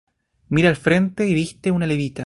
Mira al frente y viste una levita.